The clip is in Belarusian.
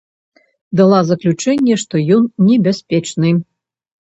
Дала заключэнне, што ён небяспечны.